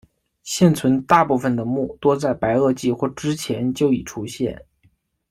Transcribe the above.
现存大部分的目多在白垩纪或之前就已出现。